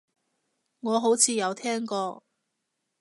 我好似有聽過